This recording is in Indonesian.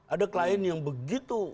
ada klien yang begitu